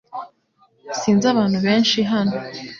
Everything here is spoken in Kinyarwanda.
Sinzi abantu benshi hano